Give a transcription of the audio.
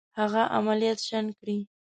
هغه عملیات شنډ کړي.